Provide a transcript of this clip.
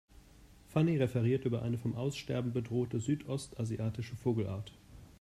Fanny referiert über eine vom Aussterben bedrohte südostasiatische Vogelart.